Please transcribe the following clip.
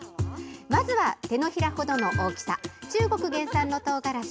まずは、手のひら程の大きさ中国原産のトウガラシ。